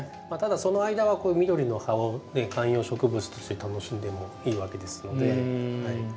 ただその間はこういう緑の葉を観葉植物として楽しんでもいいわけですので。